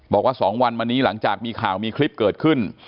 บอกว่า๒วันมานี้หลังจากมีข่าวมีคลิปเกิดขึ้น